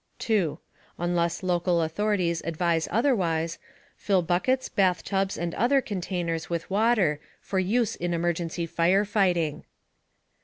(2) Unless local authorities advise otherwise, fill buckets, bathtubs and other containers with water, for use in emergency fire fighting.